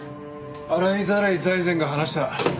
洗いざらい財前が話した。